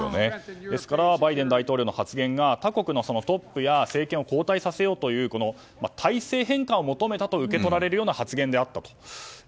ですから、バイデン大統領の発言が、他国のトップや政権を交代させようとする体制変化を求めたとも受け止められる発言であったと。